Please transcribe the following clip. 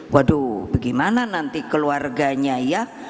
waduh bagaimana nanti keluarganya ya